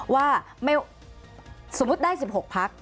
ว่าสมมุติได้๑๖พัก